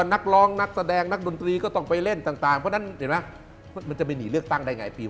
นักร้องนักแสดงนักดนตรีก็ต้องไปเล่นต่างเพราะฉะนั้นเห็นไหมมันจะไปหนีเลือกตั้งได้ไงปี